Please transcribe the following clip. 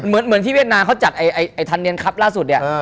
เหมือนที่เวียดนามเขาจัดไอ้ทันเนียนครับล่าสุดเนี่ย